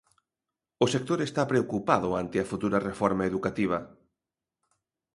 O sector está preocupado ante a futura reforma educativa.